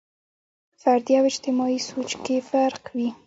فردي او اجتماعي سوچ کې فرق وي.